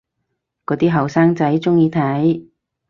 嗰啲後生仔鍾意睇